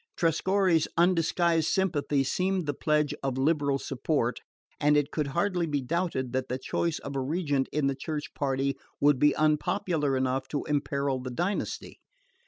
Trescorre's undisguised sympathy seemed the pledge of liberal support, and it could hardly be doubted that the choice of a regent in the Church party would be unpopular enough to imperil the dynasty.